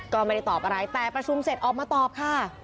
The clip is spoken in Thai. ก็ไม่ได้ตอบอะไรแต่ประชุมเสร็จออกมาตอบค่ะ